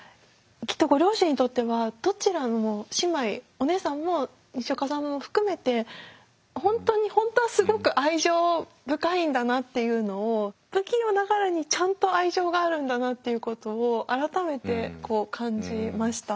きっとご両親にとってはどちらも姉妹お姉さんもにしおかさんも含めて本当に本当はすごく愛情深いんだなっていうのを不器用ながらにちゃんと愛情があるんだなっていうことを改めて感じました。